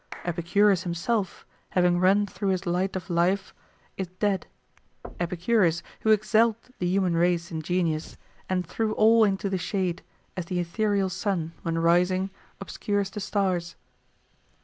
Epicurus himself, having run through his light of life,^ is dead ; Epicurus, who excelled the human race in genius, and threw all into the shade, as the ethereal sun, when rising, obscures the stars.